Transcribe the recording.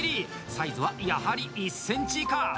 サイズは、やはり１センチ以下！